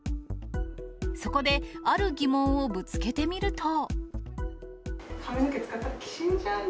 そこで、ある疑問をぶつけてみると。